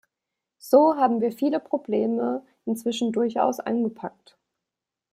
So haben wir viele Probleme inzwischen durchaus angepackt.